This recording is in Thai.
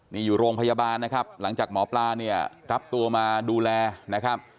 นี่อยู่โรงพยาบาลนะครับหลังจากหมอปลาเนี่ยรับตัวมาดูแลนะครับ